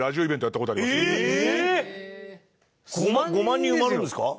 ５万人埋まるんですか？